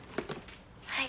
はい。